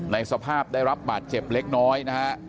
ในสภาพได้รับบาดเจ็บเล็กน้อยนะฮะ